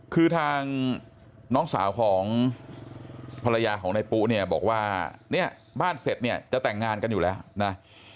คือทางน้องสาวของภรรยาของนายปุ๊เนี่ยบอกว่าเนี่ยบ้านเสร็จเนี่ยจะแต่งงานกันอยู่แล้วนะ